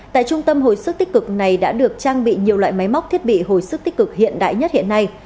tại trung tâm hồi sức tích cực này đã được trang bị nhiều loại máy móc thiết bị hồi sức tích cực hiện đại nhất hiện nay